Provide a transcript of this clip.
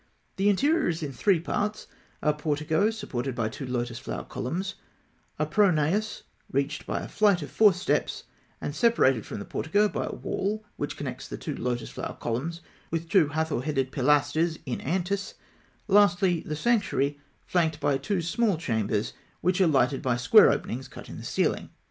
The interior is in three parts: A portico (B), supported by two lotus flower columns; a pronaos (C), reached by a flight of four steps, and separated from the portico by a wall which connects the two lotus flower columns with two Hathor headed pilasters in antis; lastly, the sanctuary (D), flanked by two small chambers (E, E), which are lighted by square openings cut in the ceiling.